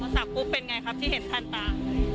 พอสักปุ๊บเป็นอย่างไรครับที่เห็นท่านตา